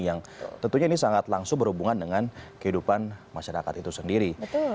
yang tentunya ini sangat langsung berhubungan dengan kehidupan masyarakat itu sendiri